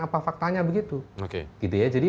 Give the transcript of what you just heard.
apa faktanya begitu jadi